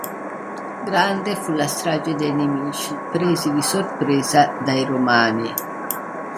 Grande fu la strage dei nemici, presi di sorpresa dai Romani.